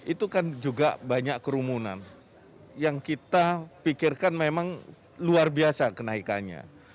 itu kan juga banyak kerumunan yang kita pikirkan memang luar biasa kenaikannya